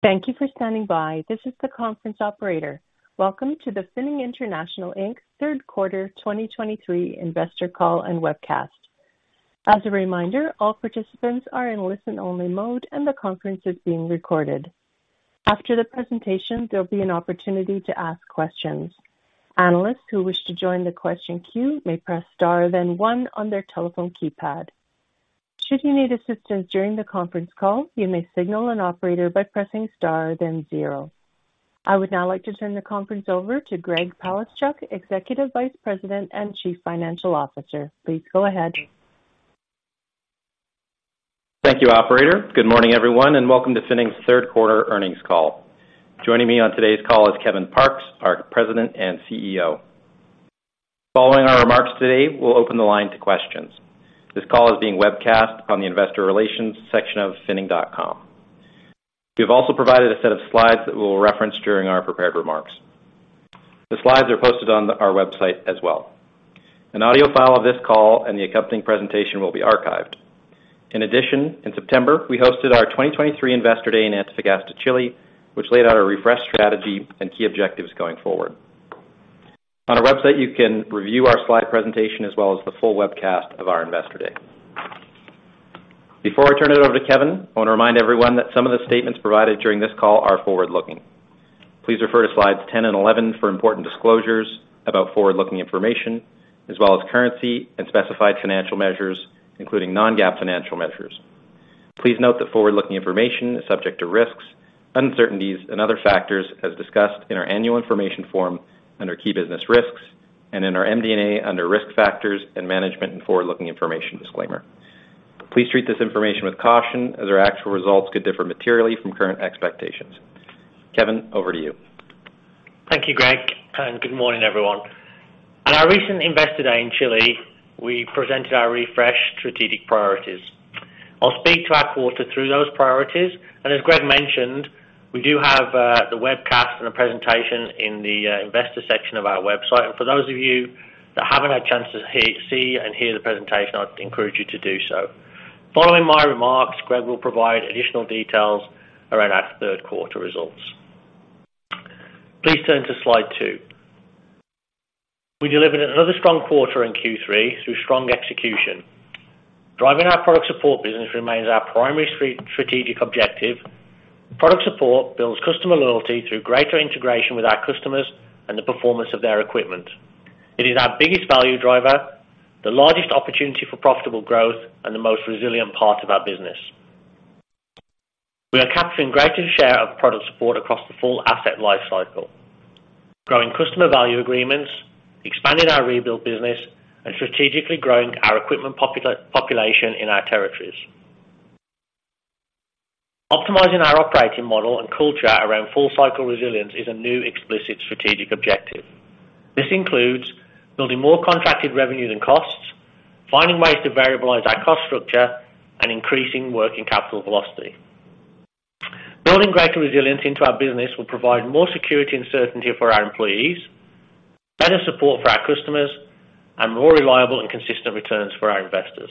Thank you for standing by. This is the conference operator. Welcome to the Finning International Inc.'s third quarter 2023 investor call and webcast. As a reminder, all participants are in listen-only mode, and the conference is being recorded. After the presentation, there'll be an opportunity to ask questions. Analysts who wish to join the question queue may press Star, then one on their telephone keypad. Should you need assistance during the conference call, you may signal an operator by pressing Star, then zero. I would now like to turn the conference over to Greg Palaschuk, Executive Vice President and Chief Financial Officer. Please go ahead. Thank you, operator. Good morning, everyone, and welcome to Finning's third quarter earnings call. Joining me on today's call is Kevin Parkes, our President and CEO. Following our remarks today, we'll open the line to questions. This call is being webcast on the investor relations section of finning.com. We have also provided a set of slides that we'll reference during our prepared remarks. The slides are posted on our website as well. An audio file of this call and the accompanying presentation will be archived. In addition, in September, we hosted our 2023 Investor Day in Antofagasta, Chile, which laid out a refreshed strategy and key objectives going forward. On our website, you can review our slide presentation as well as the full webcast of our Investor Day. Before I turn it over to Kevin, I want to remind everyone that some of the statements provided during this call are forward-looking. Please refer to slides 10 and 11 for important disclosures about forward-looking information, as well as currency and specified financial measures, including non-GAAP financial measures. Please note that forward-looking information is subject to risks, uncertainties, and other factors as discussed in our Annual Information Form under key business risks and in our MD&A under Risk Factors and Management and Forward-Looking Information Disclaimer. Please treat this information with caution, as our actual results could differ materially from current expectations. Kevin, over to you. Thank you, Greg, and good morning, everyone. At our recent Investor Day in Chile, we presented our refreshed strategic priorities. I'll speak to our quarter through those priorities, and as Greg mentioned, we do have, the webcast and a presentation in the investor section of our website. And for those of you that haven't had a chance to hear-- see and hear the presentation, I'd encourage you to do so. Following my remarks, Greg will provide additional details around our third quarter results. Please turn to slide two. We delivered another strong quarter in Q3 through strong execution. Driving our product support business remains our primary strategic objective. Product support builds customer loyalty through greater integration with our customers and the performance of their equipment. It is our biggest value driver, the largest opportunity for profitable growth, and the most resilient part of our business. We are capturing greater share of product support across the full asset lifecycle, growing Customer Value Agreements, expanding our rebuild business, and strategically growing our equipment population in our territories. Optimizing our operating model and culture around full cycle resilience is a new explicit strategic objective. This includes building more contracted revenue than costs, finding ways to variabilize our cost structure, and increasing working capital velocity. Building greater resilience into our business will provide more security and certainty for our employees, better support for our customers, and more reliable and consistent returns for our investors.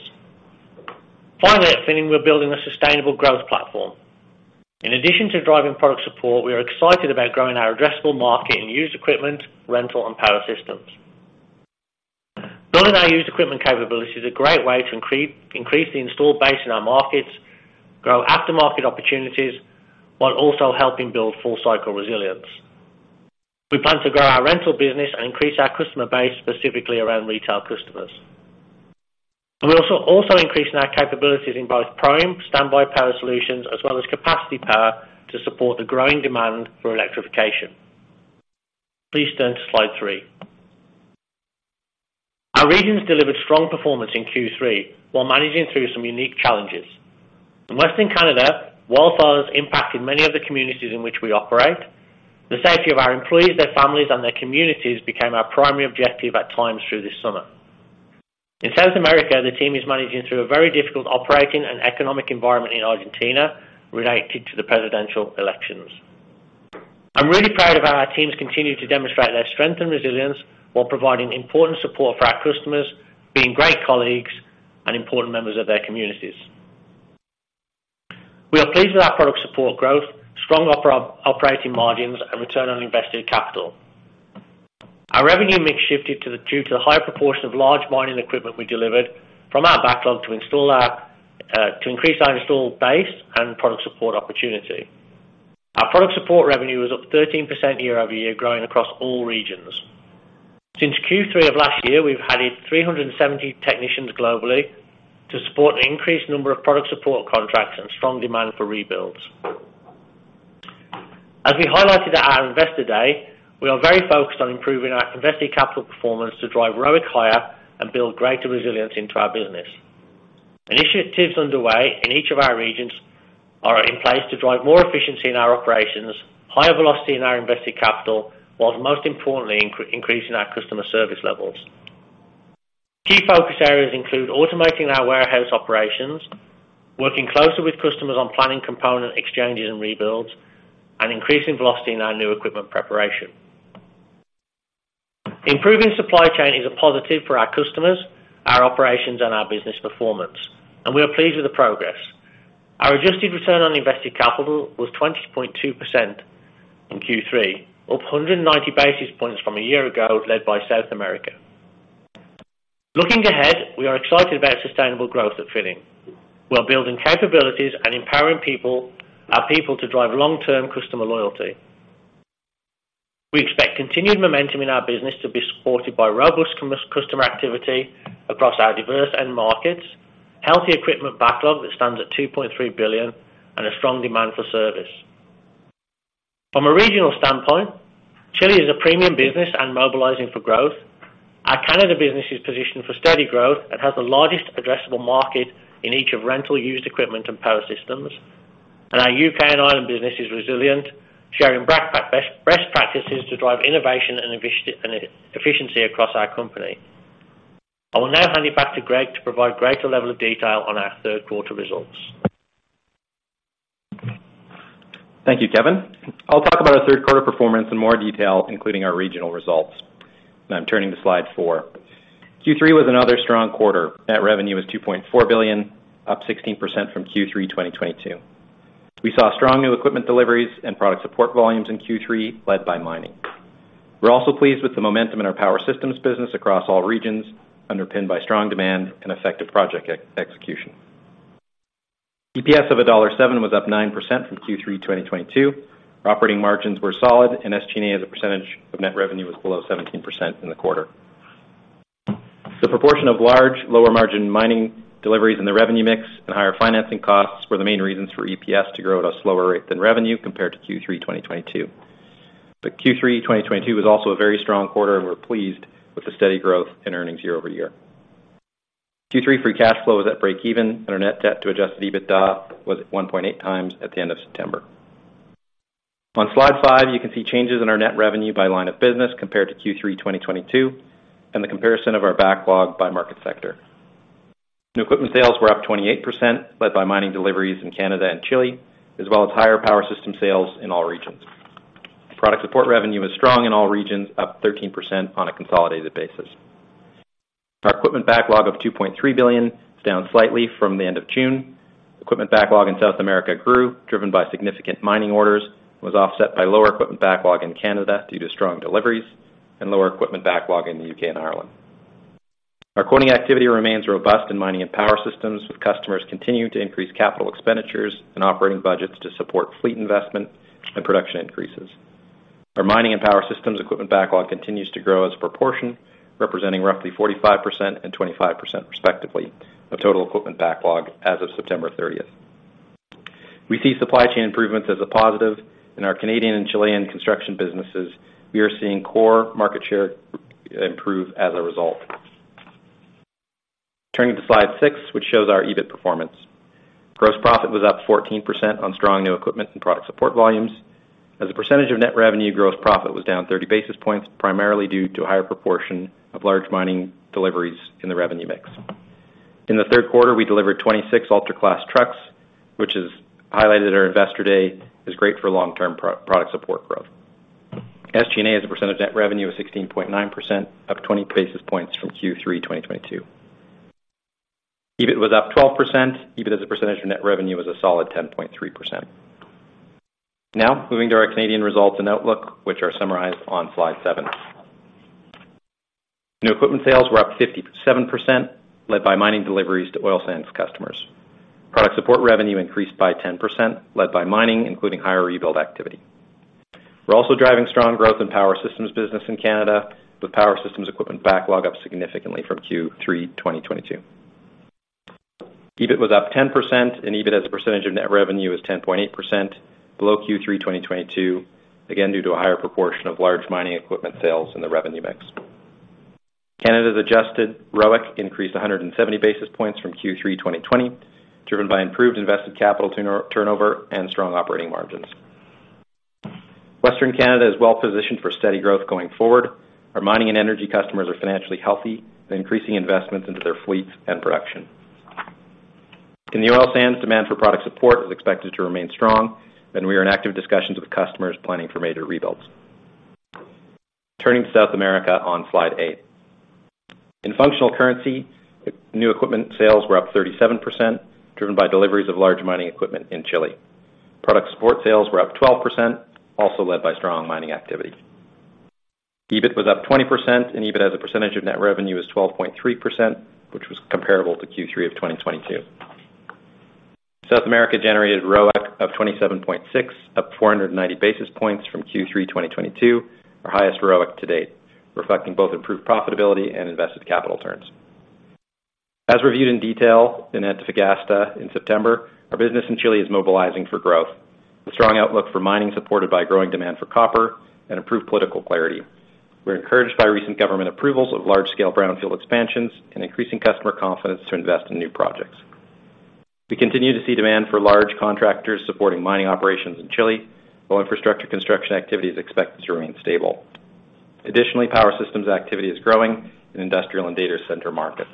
Finally, at Finning, we're building a sustainable growth platform. In addition to driving product support, we are excited about growing our addressable market in used equipment, rental, and power systems. Building our used equipment capability is a great way to increase the installed base in our markets, grow aftermarket opportunities, while also helping build full cycle resilience. We plan to grow our rental business and increase our customer base, specifically around retail customers. We're also increasing our capabilities in both prime, standby power solutions, as well as capacity power to support the growing demand for electrification. Please turn to Slide 3. Our regions delivered strong performance in Q3 while managing through some unique challenges. In Western Canada, wildfires impacted many of the communities in which we operate. The safety of our employees, their families, and their communities became our primary objective at times through this summer. In South America, the team is managing through a very difficult operating and economic environment in Argentina related to the presidential elections. I'm really proud of how our teams continue to demonstrate their strength and resilience while providing important support for our customers, being great colleagues and important members of their communities. We are pleased with our product support growth, strong operating margins, and return on invested capital. Our revenue mix shifted to the... due to the higher proportion of large mining equipment we delivered from our backlog to install our, to increase our installed base and product support opportunity. Our product support revenue was up 13% year-over-year, growing across all regions. Since Q3 of last year, we've added 370 technicians globally to support the increased number of product support contracts and strong demand for rebuilds. As we highlighted at our Investor Day, we are very focused on improving our invested capital performance to drive ROIC higher and build greater resilience into our business. Initiatives underway in each of our regions are in place to drive more efficiency in our operations, higher velocity in our invested capital, while most importantly, increasing our customer service levels. Key focus areas include automating our warehouse operations, working closely with customers on planning component exchanges and rebuilds, and increasing velocity in our new equipment preparation. Improving supply chain is a positive for our customers, our operations, and our business performance, and we are pleased with the progress. Our adjusted return on invested capital was 20.2% in Q3, up 190 basis points from a year ago, led by South America. Looking ahead, we are excited about sustainable growth at Finning. We are building capabilities and empowering people, our people to drive long-term customer loyalty. We expect continued momentum in our business to be supported by robust customer activity across our diverse end markets, healthy equipment backlog that stands at 2.3 billion, and a strong demand for service. From a regional standpoint, Chile is a premium business and mobilizing for growth. Our Canada business is positioned for steady growth and has the largest addressable market in each of rental used equipment and power systems. Our U.K. and Ireland business is resilient, sharing best practices to drive innovation and efficiency across our company. I will now hand it back to Greg to provide greater level of detail on our third quarter results. Thank you, Kevin. I'll talk about our third quarter performance in more detail, including our regional results, and I'm turning to Slide 4. Q3 was another strong quarter. Net revenue was 2.4 billion, up 16% from Q3 2022. We saw strong new equipment deliveries and product support volumes in Q3, led by mining. We're also pleased with the momentum in our power systems business across all regions, underpinned by strong demand and effective project execution. EPS of dollar 1.07 was up 9% from Q3 2022. Operating margins were solid, and SG&A, as a percentage of net revenue, was below 17% in the quarter. The proportion of large, lower-margin mining deliveries in the revenue mix and higher financing costs were the main reasons for EPS to grow at a slower rate than revenue compared to Q3 2022. But Q3 2022 was also a very strong quarter, and we're pleased with the steady growth in earnings year-over-year. Q3 free cash flow was at breakeven, and our net debt to Adjusted EBITDA was at 1.8 times at the end of September. On Slide 5, you can see changes in our net revenue by line of business compared to Q3 2022, and the comparison of our backlog by market sector. New equipment sales were up 28%, led by mining deliveries in Canada and Chile, as well as higher power system sales in all regions. Product support revenue is strong in all regions, up 13% on a consolidated basis. Our equipment backlog of 2.3 billion is down slightly from the end of June. Equipment backlog in South America grew, driven by significant mining orders, was offset by lower equipment backlog in Canada due to strong deliveries and lower equipment backlog in the U.K. and Ireland. Our quoting activity remains robust in mining and power systems, with customers continuing to increase capital expenditures and operating budgets to support fleet investment and production increases. Our mining and power systems equipment backlog continues to grow as a proportion, representing roughly 45% and 25%, respectively, of total equipment backlog as of September 30. We see supply chain improvements as a positive. In our Canadian and Chilean construction businesses, we are seeing core market share improve as a result. Turning to slide six, which shows our EBIT performance. Gross profit was up 14% on strong new equipment and product support volumes. As a percentage of net revenue, gross profit was down 30 basis points, primarily due to a higher proportion of large mining deliveries in the revenue mix. In the third quarter, we delivered 26 ultra-class trucks, which is highlighted at our Investor Day, is great for long-term product support growth. SG&A, as a percentage of net revenue, is 16.9%, up 20 basis points from Q3 2022. EBIT was up 12%. EBIT as a percentage of net revenue, was a solid 10.3%. Now, moving to our Canadian results and outlook, which are summarized on slide 7. New equipment sales were up 57%, led by mining deliveries to oil sands customers. Product support revenue increased by 10%, led by mining, including higher rebuild activity. We're also driving strong growth in power systems business in Canada, with power systems equipment backlog up significantly from Q3 2022. EBIT was up 10%, and EBIT as a percentage of net revenue is 10.8%, below Q3 2022, again, due to a higher proportion of large mining equipment sales in the revenue mix. Canada's adjusted ROIC increased 170 basis points from Q3 2020, driven by improved invested capital turnover and strong operating margins. Western Canada is well positioned for steady growth going forward. Our mining and energy customers are financially healthy and increasing investments into their fleets and production. In the oil sands, demand for product support is expected to remain strong, and we are in active discussions with customers planning for major rebuilds. Turning to South America on slide eight. In functional currency, new equipment sales were up 37%, driven by deliveries of large mining equipment in Chile. Product support sales were up 12%, also led by strong mining activity. EBIT was up 20%, and EBIT as a percentage of net revenue, was 12.3%, which was comparable to Q3 of 2022. South America generated ROIC of 27.6, up 490 basis points from Q3 2022, our highest ROIC to date, reflecting both improved profitability and invested capital turns. As reviewed in detail in Antofagasta in September, our business in Chile is mobilizing for growth. The strong outlook for mining supported by growing demand for copper and improved political clarity. We're encouraged by recent government approvals of large-scale brownfield expansions and increasing customer confidence to invest in new projects. We continue to see demand for large contractors supporting mining operations in Chile, while infrastructure construction activity is expected to remain stable. Additionally, power systems activity is growing in industrial and data center markets.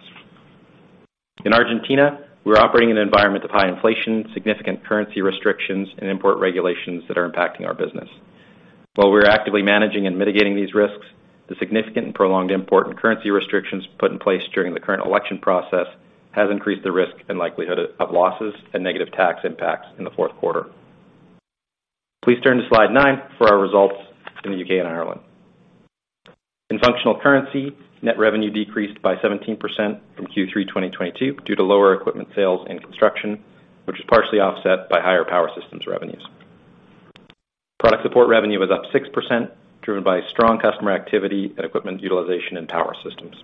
In Argentina, we're operating in an environment of high inflation, significant currency restrictions, and import regulations that are impacting our business. While we're actively managing and mitigating these risks, the significant and prolonged import and currency restrictions put in place during the current election process has increased the risk and likelihood of losses and negative tax impacts in the fourth quarter. Please turn to slide 9 for our results in the U.K. and Ireland. In functional currency, net revenue decreased by 17% from Q3 2022 due to lower equipment sales and construction, which is partially offset by higher power systems revenues. Product support revenue was up 6%, driven by strong customer activity and equipment utilization in power systems.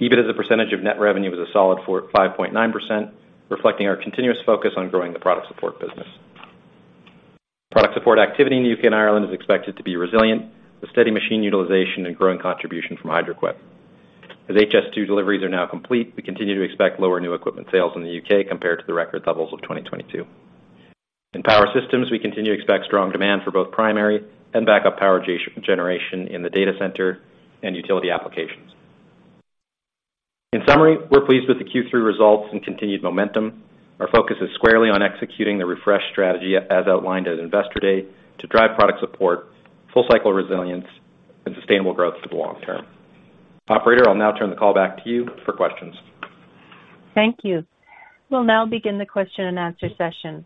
EBIT as a percentage of net revenue was a solid 5.9%, reflecting our continuous focus on growing the product support business. Product support activity in the U.K. and Ireland is expected to be resilient, with steady machine utilization and growing contribution from Hydraquip. As HS2 deliveries are now complete, we continue to expect lower new equipment sales in the U.K. compared to the record levels of 2022. In power systems, we continue to expect strong demand for both primary and backup power generation in the data center and utility applications. In summary, we're pleased with the Q3 results and continued momentum. Our focus is squarely on executing the refreshed strategy as outlined at Investor Day, to drive product support, full cycle resilience, and sustainable growth for the long term. Operator, I'll now turn the call back to you for questions. Thank you. We'll now begin the question-and-answer session.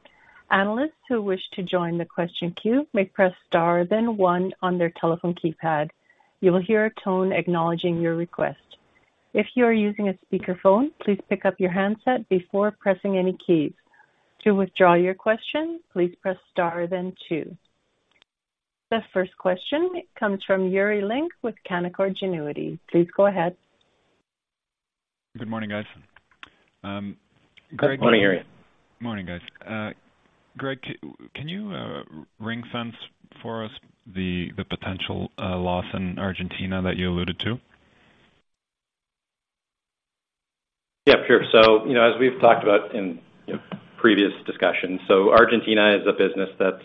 Analysts who wish to join the question queue may press star then one on their telephone keypad. You will hear a tone acknowledging your request. If you are using a speakerphone, please pick up your handset before pressing any keys. To withdraw your question, please press star then two. The first question comes from Yuri Lynk with Canaccord Genuity. Please go ahead. Good morning, guys. Greg- Good morning, Yuri. Morning, guys. Greg, can you ring-fence for us the potential loss in Argentina that you alluded to? Yeah, sure. So, you know, as we've talked about in, you know, previous discussions, so Argentina is a business that's,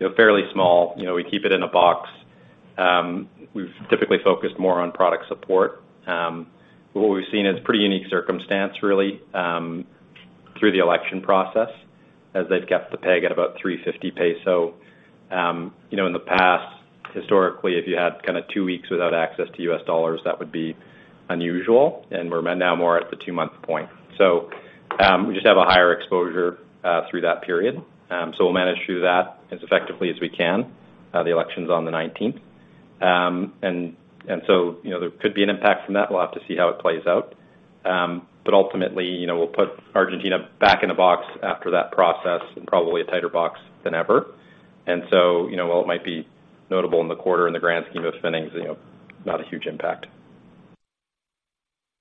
you know, fairly small. You know, we keep it in a box. We've typically focused more on product support. But what we've seen is pretty unique circumstance really, through the election process, as they've kept the peg at about 350 pesos. You know, in the past, historically, if you had kind of two weeks without access to U.S. dollars, that would be unusual, and we're now more at the two-month point. So, we just have a higher exposure, through that period. So we'll manage through that as effectively as we can. The election's on the nineteenth. And, and so, you know, there could be an impact from that. We'll have to see how it plays out. But ultimately, you know, we'll put Argentina back in the box after that process, and probably a tighter box than ever. And so, you know, while it might be notable in the quarter, in the grand scheme of things, you know, not a huge impact.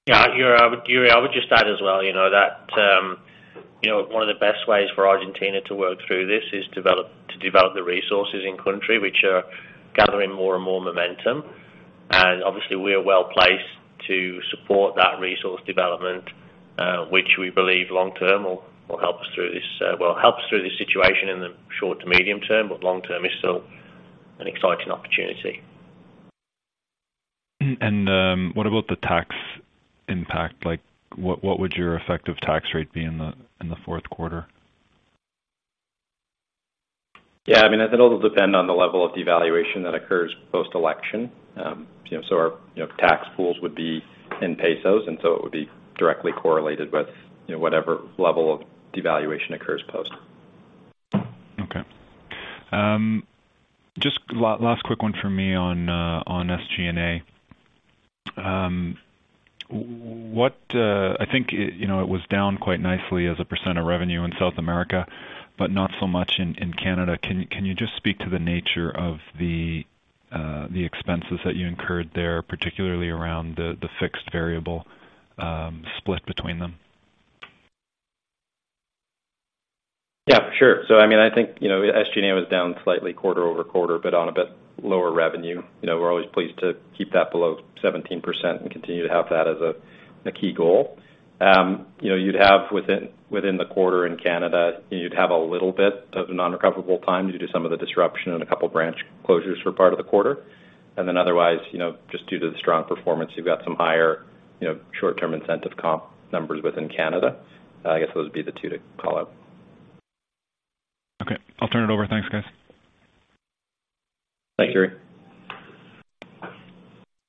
Yeah, Yuri, I would, Yuri, I would just add as well, you know, that, you know, one of the best ways for Argentina to work through this is to develop the resources in country, which are gathering more and more momentum. And obviously, we are well placed to support that resource development, which we believe long term will help us through this situation in the short to medium term, but long term is still an exciting opportunity. What about the tax impact? Like, what would your effective tax rate be in the fourth quarter? Yeah, I mean, it'll depend on the level of devaluation that occurs post-election. You know, so our, you know, tax pools would be in pesos, and so it would be directly correlated with, you know, whatever level of devaluation occurs post. Okay. Just last quick one for me on, on SG&A. What, I think, you know, it was down quite nicely as a % of revenue in South America, but not so much in, in Canada. Can, can you just speak to the nature of the, the expenses that you incurred there, particularly around the, the fixed variable, split between them? Yeah, sure. So I mean, I think, you know, SG&A was down slightly quarter-over-quarter, but on a bit lower revenue. You know, we're always pleased to keep that below 17% and continue to have that as a key goal. You know, you'd have within the quarter in Canada, you'd have a little bit of non-recoverable time due to some of the disruption and a couple branch closures for part of the quarter. And then otherwise, you know, just due to the strong performance, you've got some higher, you know, short-term incentive comp numbers within Canada. I guess those would be the two to call out. Okay. I'll turn it over. Thanks, guys. Thank you.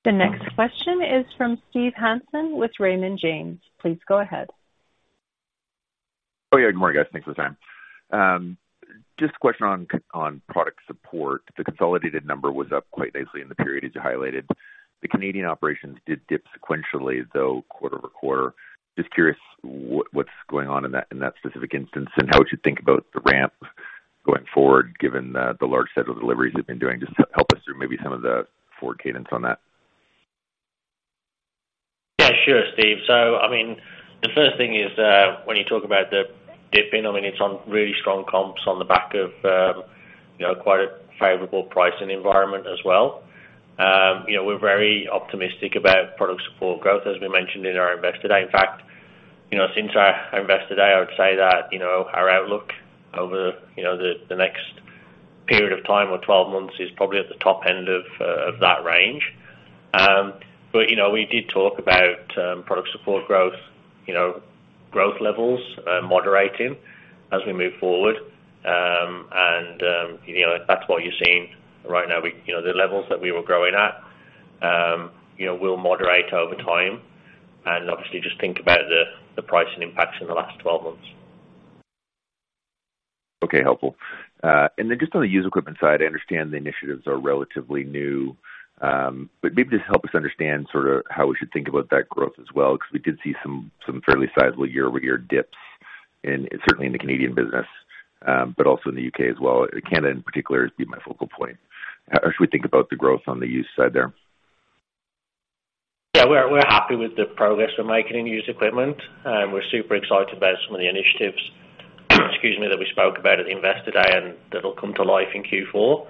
The next question is from Steve Hansen with Raymond James. Please go ahead. Oh, yeah, good morning, guys. Thanks for the time. Just a question on product support. The consolidated number was up quite nicely in the period, as you highlighted. The Canadian operations did dip sequentially, though, quarter-over-quarter. Just curious, what's going on in that specific instance, and how would you think about the ramp going forward, given the large set of deliveries you've been doing? Just help us through maybe some of the forward cadence on that. Yeah, sure, Steve. So I mean, the first thing is, when you talk about the dipping, I mean, it's on really strong comps on the back of, you know, quite a favorable pricing environment as well. You know, we're very optimistic about product support growth, as we mentioned in our Investor Day. In fact, you know, since our Investor Day, I would say that, you know, our outlook over, you know, the next period of time or 12 months is probably at the top end of that range. But, you know, we did talk about product support growth, you know, growth levels moderating as we move forward. And, you know, that's what you're seeing right now. You know, the levels that we were growing at, you know, will moderate over time. Obviously, just think about the pricing impacts in the last 12 months. Okay, helpful. And then just on the used equipment side, I understand the initiatives are relatively new, but maybe just help us understand sort of how we should think about that growth as well, because we did see some, some fairly sizable year-over-year dips in, certainly in the Canadian business, but also in the U.K. as well. Canada in particular has been my focal point. How should we think about the growth on the used side there? Yeah, we're happy with the progress we're making in used equipment, and we're super excited about some of the initiatives, excuse me, that we spoke about at the Investor Day, and that'll come to life in Q4.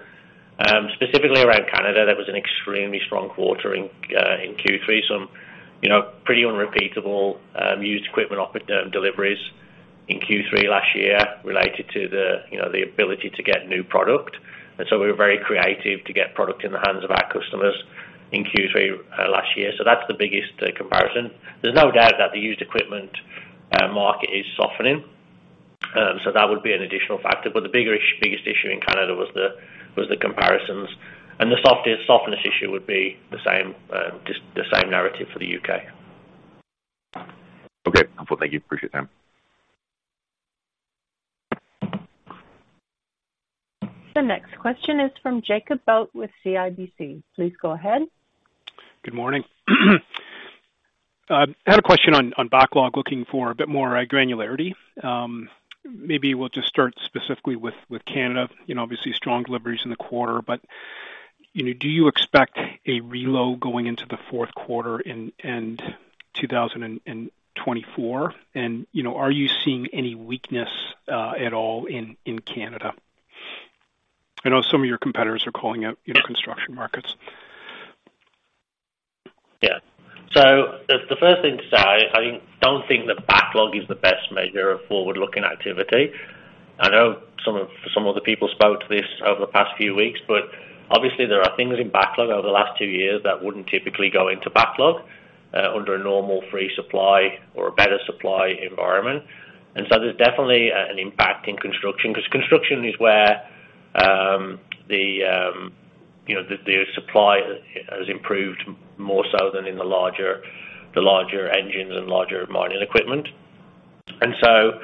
Specifically around Canada, that was an extremely strong quarter in Q3. Some, you know, pretty unrepeatable used equipment deliveries in Q3 last year, related to the, you know, the ability to get new product. And so we were very creative to get product in the hands of our customers in Q3 last year. So that's the biggest comparison. There's no doubt that the used equipment market is softening, so that would be an additional factor. But the biggest issue in Canada was the comparisons, and the softness issue would be the same, just the same narrative for the U.K. Okay. Thank you. Appreciate the time. The next question is from Jacob Bout with CIBC. Please go ahead. Good morning. I had a question on, on backlog, looking for a bit more granularity. Maybe we'll just start specifically with, with Canada. You know, obviously, strong deliveries in the quarter, but, you know, do you expect a reload going into the fourth quarter in, in 2024? And, you know, are you seeing any weakness, at all in, in Canada? I know some of your competitors are calling out in construction markets. Yeah. So the first thing to say, I don't think that backlog is the best measure of forward-looking activity. I know some of the people spoke to this over the past few weeks, but obviously there are things in backlog over the last two years that wouldn't typically go into backlog under a normal free supply or a better supply environment. And so there's definitely an impact in construction, because construction is where you know the supply has improved more so than in the larger engines and larger mining equipment. And so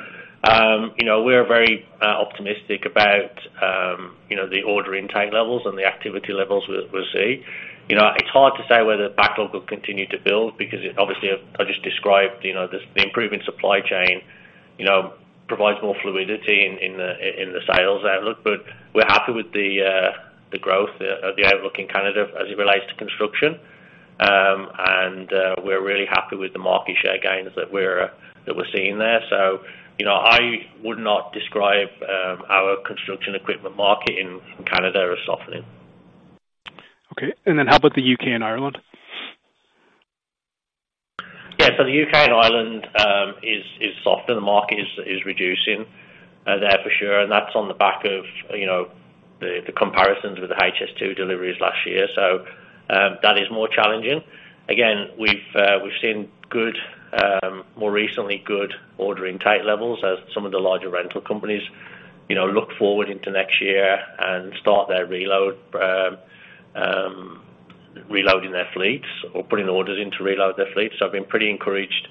you know, we're very optimistic about you know the order intake levels and the activity levels we see. You know, it's hard to say whether backlog will continue to build, because obviously, I just described, you know, the improvement supply chain, you know, provides more fluidity in the sales outlook. But we're happy with the growth of the outlook in Canada as it relates to construction. And we're really happy with the market share gains that we're seeing there. So, you know, I would not describe our construction equipment market in Canada as softening. Okay, and then how about the U.K. and Ireland? Yeah. So the U.K. and Ireland is softer. The market is reducing there for sure, and that's on the back of, you know, the comparisons with the HS2 deliveries last year. So that is more challenging. Again, we've seen good, more recently, good order intake levels as some of the larger rental companies, you know, look forward into next year and start their reloading their fleets or putting the orders in to reload their fleets. So I've been pretty encouraged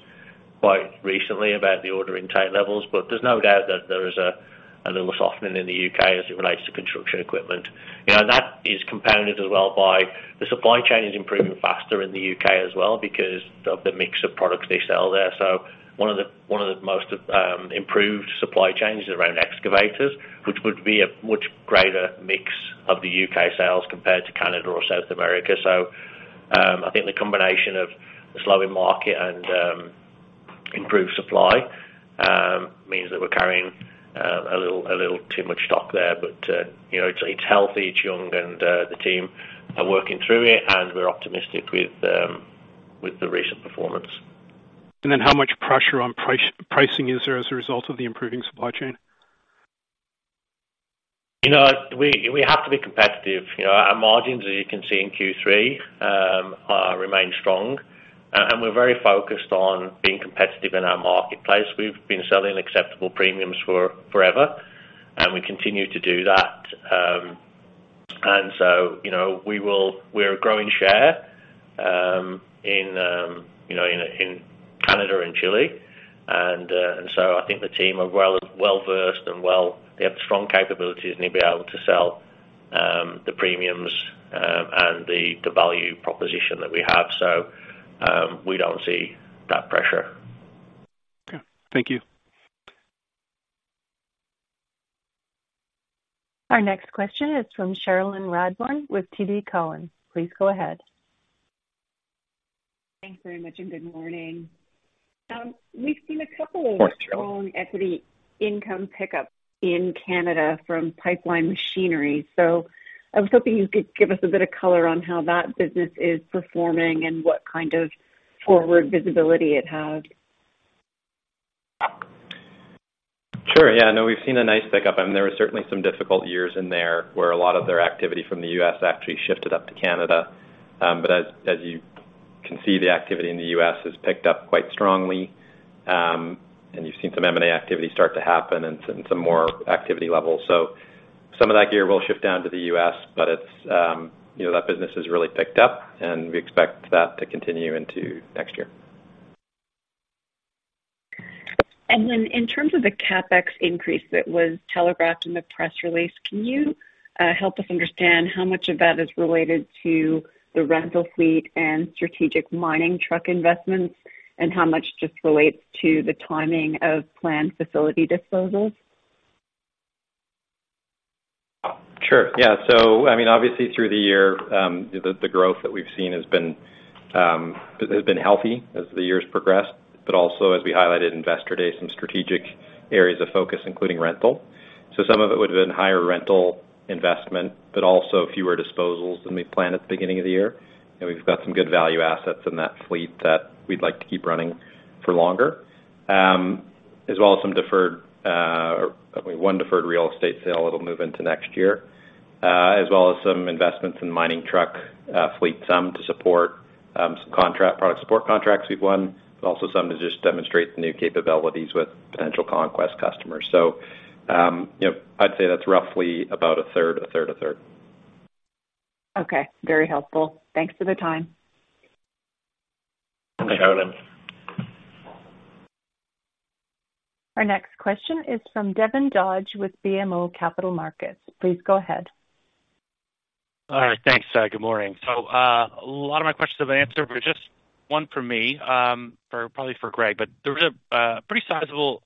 quite recently about the order intake levels, but there's no doubt that there is a little softening in the U.K. as it relates to construction equipment. You know, that is compounded as well by the supply chain is improving faster in the U.K. as well, because of the mix of products they sell there. So one of the most improved supply chains is around excavators, which would be a much greater mix of the U.K. sales compared to Canada or South America. So, I think the combination of the slowing market and improved supply means that we're carrying a little too much stock there. But, you know, it's healthy, it's young, and the team are working through it, and we're optimistic with the recent performance. And then how much pressure on pricing is there as a result of the improving supply chain? You know, we have to be competitive. You know, our margins, as you can see in Q3, remain strong, and we're very focused on being competitive in our marketplace. We've been selling acceptable premiums for forever, and we continue to do that. And so, you know, we will. We're growing share in Canada and Chile. And so I think the team are well-versed and they have strong capabilities and they'll be able to sell the premiums and the value proposition that we have. So, we don't see that pressure. Okay. Thank you. Our next question is from Cherilyn Radbourne with TD Cowen. Please go ahead. Thanks very much, and good morning. We've seen a couple of- Morning, Cherilyn. strong equity income pickup in Canada from Pipeline Machinery, so I was hoping you could give us a bit of color on how that business is performing and what kind of forward visibility it has?... Sure. Yeah, I know we've seen a nice pickup, and there were certainly some difficult years in there where a lot of their activity from the U.S. actually shifted up to Canada. But as you can see, the activity in the U.S. has picked up quite strongly, and you've seen some M&A activity start to happen and some more activity levels. So some of that gear will shift down to the U.S., but it's, you know, that business has really picked up, and we expect that to continue into next year. And then in terms of the CapEx increase that was telegraphed in the press release, can you, help us understand how much of that is related to the rental fleet and strategic mining truck investments, and how much just relates to the timing of planned facility disposals? Sure. Yeah. So, I mean, obviously through the year, the growth that we've seen has been healthy as the years progressed, but also, as we highlighted in Investor Day, some strategic areas of focus, including rental. So some of it would have been higher rental investment, but also fewer disposals than we planned at the beginning of the year. And we've got some good value assets in that fleet that we'd like to keep running for longer. As well as some deferred, one deferred real estate sale that'll move into next year, as well as some investments in mining truck fleet, some to support, some contract - product support contracts we've won, but also some to just demonstrate the new capabilities with potential conquest customers. So, you know, I'd say that's roughly about a third, a third, a third. Okay. Very helpful. Thanks for the time. Thanks, Cherilyn. Our next question is from Devin Dodge, with BMO Capital Markets. Please go ahead. All right, thanks. Good morning. So, a lot of my questions have been answered, but just one for me, for probably for Greg. But there was a, pretty sizable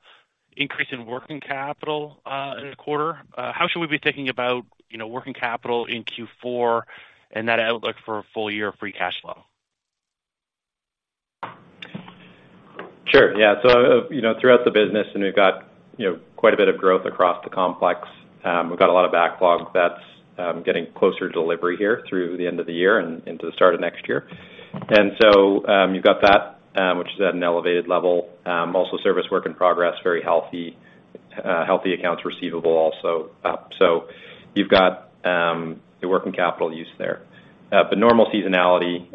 increase in working capital, in the quarter. How should we be thinking about, you know, working capital in Q4 and that outlook for full year free cash flow? Sure. Yeah. So, you know, throughout the business, and we've got, you know, quite a bit of growth across the complex. We've got a lot of backlog that's getting closer to delivery here through the end of the year and into the start of next year. And so, you've got that, which is at an elevated level. Also service work in progress, very healthy. Healthy accounts receivable also up. So you've got the working capital use there. But normal seasonality,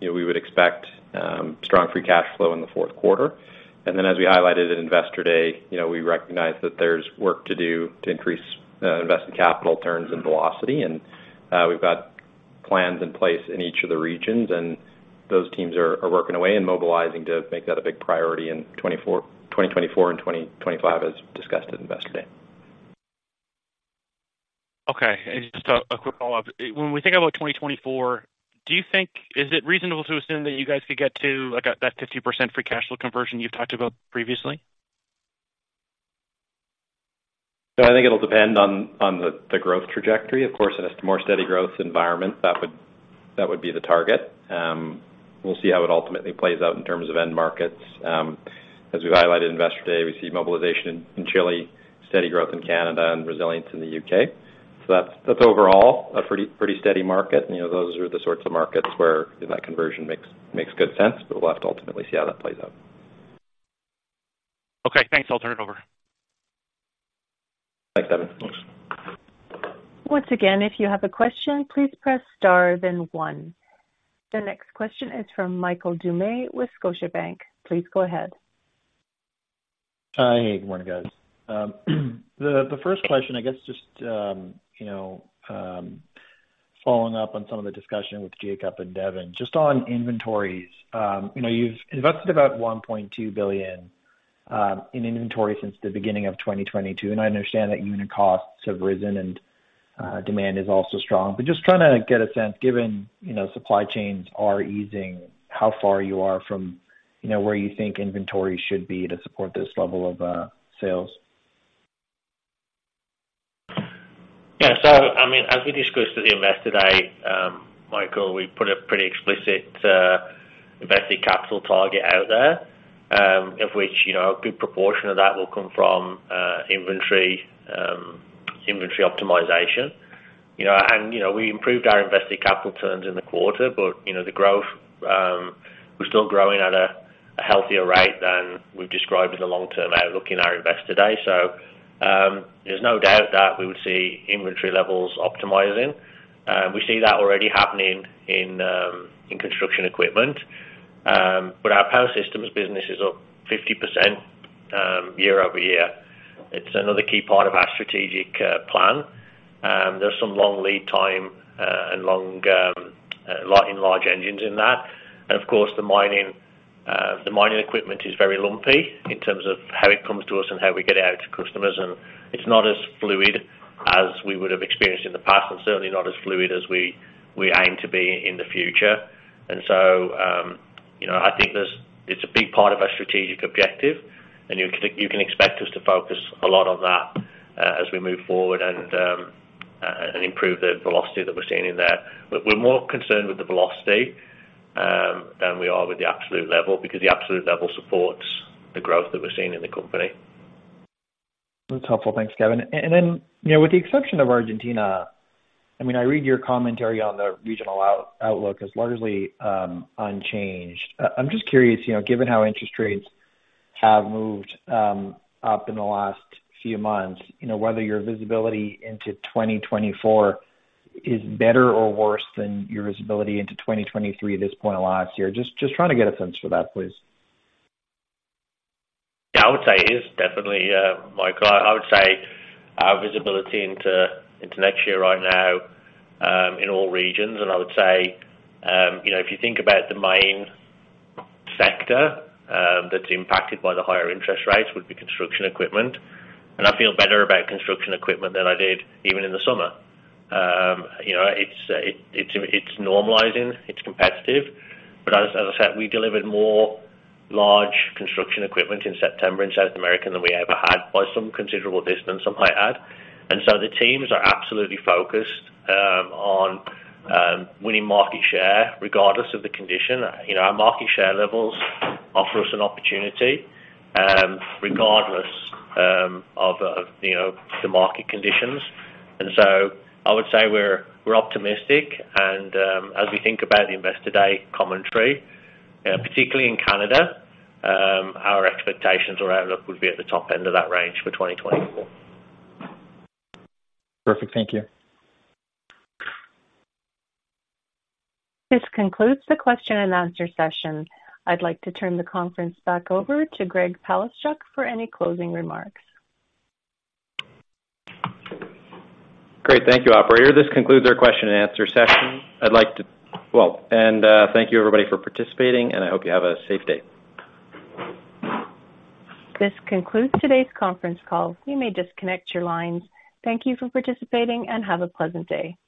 you know, we would expect strong free cash flow in the fourth quarter. And then, as we highlighted at Investor Day, you know, we recognize that there's work to do to increase invested capital turns and velocity, and we've got plans in place in each of the regions, and those teams are working away and mobilizing to make that a big priority in 2024 and 2025, as discussed at Investor Day. Okay. And just a quick follow-up. When we think about 2024, do you think is it reasonable to assume that you guys could get to, like, that 50% free cash flow conversion you've talked about previously? So I think it'll depend on the growth trajectory. Of course, in a more steady growth environment, that would be the target. We'll see how it ultimately plays out in terms of end markets. As we highlighted in Investor Day, we see mobilization in Chile, steady growth in Canada, and resilience in the U.K. So that's overall a pretty steady market. And, you know, those are the sorts of markets where that conversion makes good sense, but we'll have to ultimately see how that plays out. Okay, thanks. I'll turn it over. Thanks, Devin. Once again, if you have a question, please press star then one. The next question is from Michael Doumet, with Scotiabank. Please go ahead. Hi, good morning, guys. The first question, I guess just you know, following up on some of the discussion with Jacob and Devin, just on inventories. You know, you've invested about 1.2 billion in inventory since the beginning of 2022, and I understand that unit costs have risen and demand is also strong. But just trying to get a sense, given you know, supply chains are easing, how far you are from you know, where you think inventory should be to support this level of sales? Yeah, so I mean, as we discussed at the Investor Day, Michael, we put a pretty explicit invested capital target out there, of which, you know, a good proportion of that will come from inventory, inventory optimization. You know, and, you know, we improved our invested capital turns in the quarter, but, you know, the growth, we're still growing at a healthier rate than we've described as a long-term outlook in our Investor Day. So, there's no doubt that we would see inventory levels optimizing. We see that already happening in construction equipment. But our Power Systems business is up 50% year-over-year. It's another key part of our strategic plan. There's some long lead time, and large engines in that. Of course, the mining equipment is very lumpy in terms of how it comes to us and how we get it out to customers, and it's not as fluid as we would have experienced in the past, and certainly not as fluid as we aim to be in the future. And so, you know, I think there's, it's a big part of our strategic objective, and you can expect us to focus a lot on that as we move forward and improve the velocity that we're seeing in there. But we're more concerned with the velocity than we are with the absolute level, because the absolute level supports the growth that we're seeing in the company.... That's helpful. Thanks, Kevin. And then, you know, with the exception of Argentina, I mean, I read your commentary on the regional outlook as largely unchanged. I'm just curious, you know, given how interest rates have moved up in the last few months, you know, whether your visibility into 2024 is better or worse than your visibility into 2023 at this point last year? Just trying to get a sense for that, please. Yeah, I would say it is definitely, Michael. I would say our visibility into next year right now in all regions. And I would say, you know, if you think about the main sector that's impacted by the higher interest rates, would be construction equipment. And I feel better about construction equipment than I did even in the summer. You know, it's normalizing, it's competitive. But as I said, we delivered more large construction equipment in September in South America than we ever had, by some considerable distance, I might add. And so the teams are absolutely focused on winning market share, regardless of the condition. You know, our market share levels offer us an opportunity, regardless of the market conditions. And so I would say we're optimistic. As we think about the Investor Day commentary, particularly in Canada, our expectations or outlook would be at the top end of that range for 2024. Perfect. Thank you. This concludes the question and answer session. I'd like to turn the conference back over to Greg Palaschuk for any closing remarks. Great, thank you, operator. This concludes our question and answer session. I'd like to – well, thank you, everybody, for participating, and I hope you have a safe day. This concludes today's conference call. You may disconnect your lines. Thank you for participating and have a pleasant day.